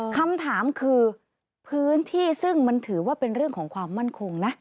คำถามคือพื้นที่ซึ่งมันถือว่าเป็นเรื่องของความมั่นคงนะ